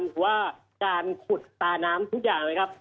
หรือว่าการขุดตาน้ำทุกอย่างเลยครับ